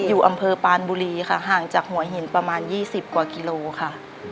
อยู่อำเภอปานบุรีค่ะห่างจากหัวหินประมาณ๒๐กว่ากิโลค่ะ